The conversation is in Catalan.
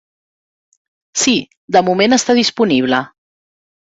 Sí, de moment està disponible.